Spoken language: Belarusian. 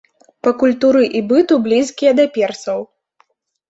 Па культуры і быту блізкія да персаў.